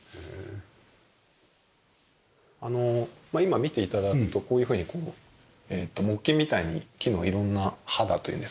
あの今見て頂くとこういうふうにこう木琴みたいに木の色んな肌というんですかね？